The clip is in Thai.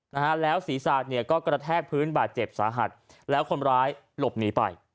นะฮะแล้วศีรษะเนี่ยก็กระแทกพื้นบาดเจ็บสาหัสแล้วคนร้ายหลบหนีไป